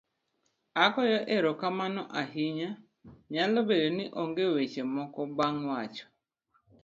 agoyo erokamano ahinya. nyalo bedo ni onge weche moko bang' wacho